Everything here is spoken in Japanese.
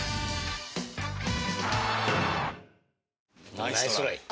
ナイストライ